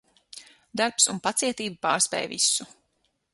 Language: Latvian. Darbs un pacietība pārspēj visu.